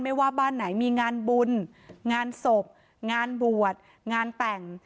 ว่าบ้านไหนมีงานบุญงานศพงานบวชงานแต่ง